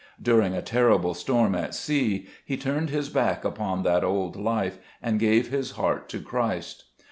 During a terrible storm at sea he turned his back upon that old life, and gave his heart to Christ.